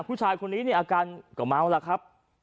ผู้ชายคนนี้อาการก็เมาท์แล้วครับ